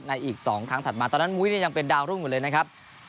อีก๒ครั้งถัดมาตอนนั้นมุ้ยยังเป็นดาวรุ่งอยู่เลยนะครับ